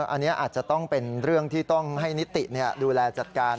อันนี้อาจจะต้องเป็นเรื่องที่ต้องให้นิติดูแลจัดการ